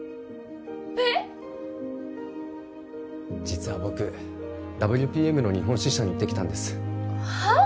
実は僕ＷＰＭの日本支社に行ってきたんですはっ！？